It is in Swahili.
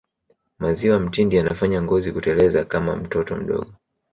maziwa mtindi yanafanya ngozi kuteleza kama ya mtoto mdogo